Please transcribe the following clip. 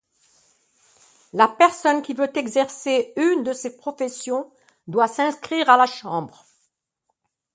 La personne qui veut exercer une de ces professions doit s'inscrire à la chambre.